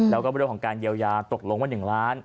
แล้วก็เรื่องของการเยียวยาตกลงว่า๑ล้าน